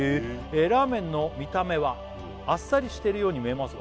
「ラーメンの見た目はあっさりしてるように見えますが」